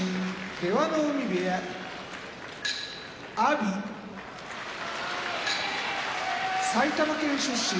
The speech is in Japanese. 出羽海部屋阿炎埼玉県出身